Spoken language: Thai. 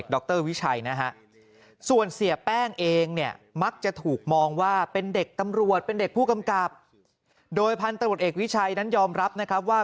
โดยพันธุ์ตรวจเอกวิชัยนั้นยอมรับนะครับว่า